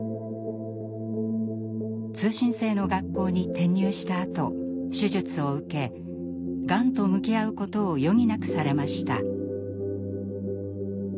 通信制の学校に転入したあと手術を受けがんと向き合うことを余儀なくされました。